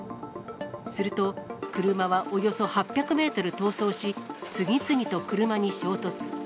すると、車はおよそ８００メートル逃走し、次々と車に衝突。